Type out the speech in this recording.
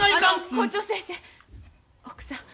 あの校長先生奥さん。